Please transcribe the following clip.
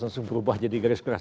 langsung berubah jadi garis keras